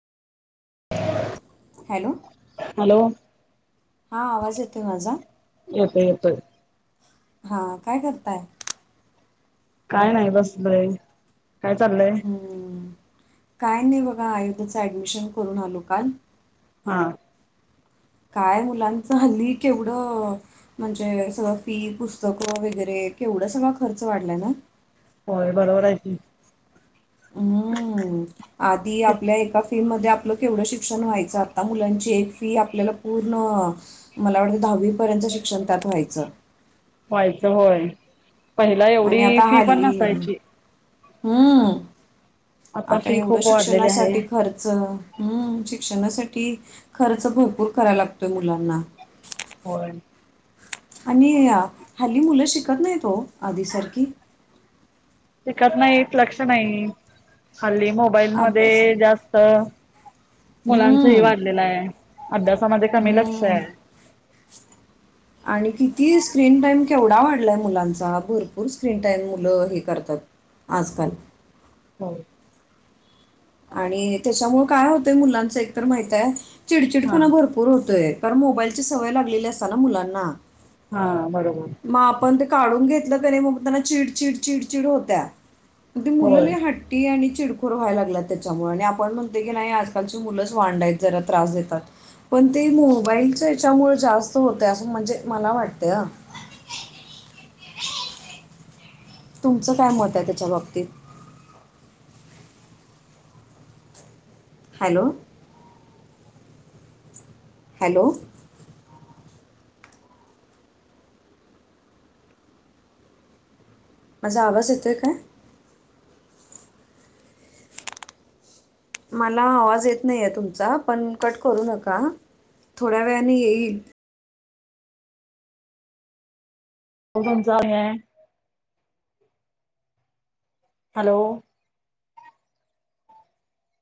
Hello. हा आवाज येतोय माझा येतोय. हा काय करताय? काय नाही बसलोय. काय चाललंय. हम्म. काय नाही बघा आयुध्याच ऍडमिशन करून आलो काल. हा. काय मुलांचं हल्ली केवढं म्हणजे सगळं फी पुस्तकं वगैरे केवढं सगळा खर्च वाढला ना. होय बरोबर आहे क हम्म आधी आपल्या एका फि मध्ये आप केवढं शिक्षण व्हायचं आता मुलांची एक फी आपल्याला पूर्ण मला वाटतं दहावी पर्यंत शिक्षण त्यात व्हायचं. व्हायचं होय. पहिला आणि एवढी आता फी पण हल्ली नसायची. हम्म. आता फी एवढं खूप वाढलेली आहे शिक्षणासाठी खर्च हम्म. शिक्षणासाठी खर्च भरपूर करा लागतोय मुलांना होर आणि हल्ली मुलं शिकत नाही तो आधीसारखी शिकत नाही लक्ष नाही खाली मोबाईल मध्ये अभ्यासामध्ये जास्त मुलांच ह हम्म वाढलेलं आहे अभ्यासामध्ये कमी लक्ष हम्म आहे आणि किती स्क्रीन टाईम केवढा वाढलाय मुलांचा भरपूर स्क्रीन टाईम मुलं हे करतात आजकाल हो आणि त्याच्यामुळे काय होतय मुलांच एकतर माहित आहे हा चिडचिडपणा भरपूर होतोय कारण मोबाईलची सवय लागलेली असताना मुलांना हा बरोबर मग आपण ते काढून घेतलं त्यांना चिड चिड चिड चिड होत्या ते मुलं होय ती हट्टी आणि चिडखोर व्हायला लागलात त्याच्यामुळे आणि आपण म्हणते की नाही आजकालची मुलंच वांडायत जरा त्रास देतात पण ते मोबाईलच याच्यामुळे जास्त होतं असं म्हणजे मला वाटते तुमचं काय मत आहे त्याच्या बाबतीत हॅलो हॅलो माझा आवाज येतय काय मला आवाज येत नाही आहे तुमचा पण कट करू नका थोड्या वेळाने येईल बनसाार है हॅलो